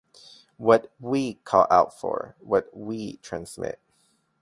what "we" call out for, what "we" transmit